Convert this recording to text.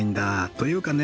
というかね